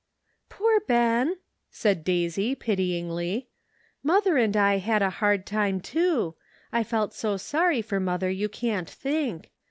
"Poor Ben .'"said Daisy pityingly. "Mother and I had a hard time too. I felt so sorry for mother; you can't think!